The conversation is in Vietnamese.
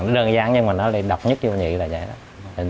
đơn giản nhưng mà nó là độc nhất yêu nhị là vậy đó